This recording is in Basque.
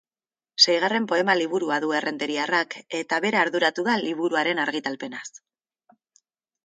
Seigarren poema liburua du errenteriarrak, eta bera arduratu da liburuaren argitalpenaz.